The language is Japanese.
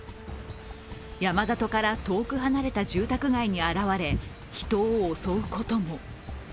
山里から遠く離れた住宅街に現れ、人を襲うことも。